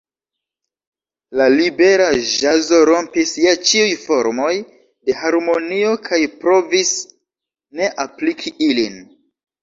La libera ĵazo rompis je ĉiuj formoj de harmonio kaj provis ne apliki ilin.